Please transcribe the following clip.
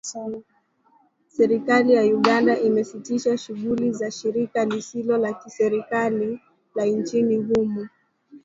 Serikali ya Uganda imesitisha shughuli za shirika lisilo la kiserikali la nchini humo